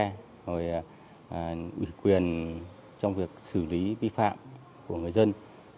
rồi ủy quyền trong việc xử lý vi phạm của người dân